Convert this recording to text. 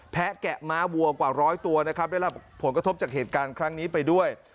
แกะม้าวัวกว่าร้อยตัวนะครับได้รับผลกระทบจากเหตุการณ์ครั้งนี้ไปด้วย